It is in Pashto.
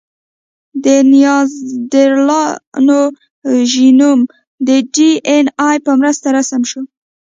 د نیاندرتالانو ژینوم د ډياېناې په مرسته رسم شو.